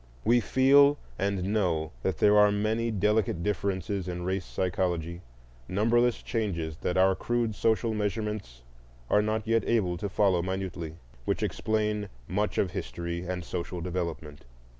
We feel and know that there are many delicate differences in race psychology, numberless changes that our crude social measurements are not yet able to follow minutely, which explain much of history and social development.